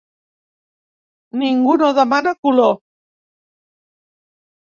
Ningú no demana color.